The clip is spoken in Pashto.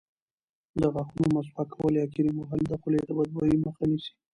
د غاښونو مسواک کول یا کریم وهل د خولې د بدبویۍ مخه نیسي.